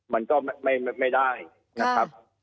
มันก็ไม่ได้นะครับ